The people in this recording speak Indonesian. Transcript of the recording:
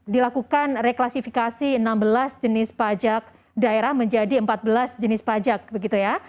dilakukan reklasifikasi enam belas jenis pajak daerah menjadi empat belas jenis pajak begitu ya